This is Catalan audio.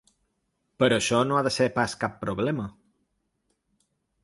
Però això no ha de ser pas cap problema.